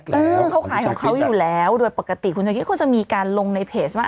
คุณชาคิตมึงเขาก็ขายของเขาอยู่แล้วโดยปกติคุณชาคิตเขาก็จะมีการลงในเพจมา